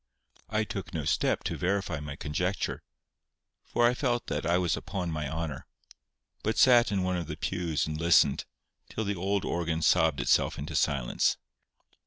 I took no step to verify my conjecture, for I felt that I was upon my honour, but sat in one of the pews and listened, till the old organ sobbed itself into silence.